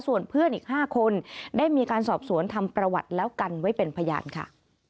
ส่วนเพื่อนอีก๕คนได้มีการสอบสวนทำประวัติแล้วกันไว้เป็นพยานค่ะ